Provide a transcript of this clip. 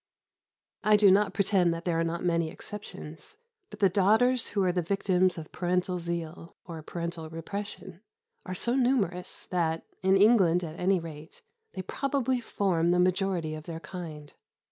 I do not pretend that there are not many exceptions; but the daughters who are the victims of parental zeal, or parental repression, are so numerous that, in England at any rate, they probably form the majority of their kind.